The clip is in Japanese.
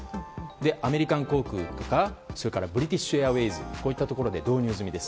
アメリカン航空ですとかブリティッシュ・エアウェイズとかでもこういったところで導入済みです。